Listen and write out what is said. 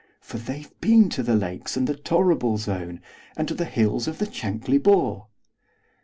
For they've been to the Lakes, and the Torrible Zone, And the hills of the Chankly Bore."